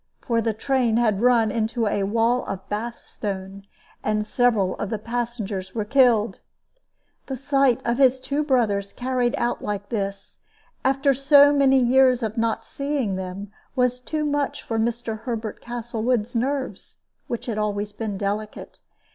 For the train had run into a wall of Bath stone, and several of the passengers were killed. The sight of his two brothers carried out like this, after so many years of not seeing them, was too much for Mr. Herbert Castlewood's nerves, which always had been delicate.